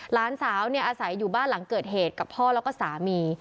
หลานสาวอาศัยอยู่บ้านหลังเกิดเหตุกับพ่อแล้วก็สามี